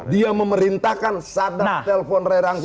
dia memerintahkan sadat telepon rai rangkut